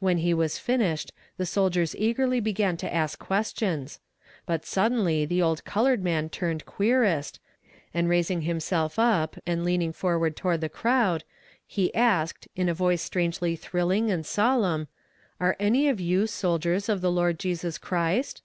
When he had finished, the soldiers eagerly began to ask questions but suddenly the old colored man turned querist, and raising himself up, and leaning forward toward the crowd, he asked, in a voice strangely thrilling and solemn, "Are any of you soldiers of the Lord Jesus Christ?"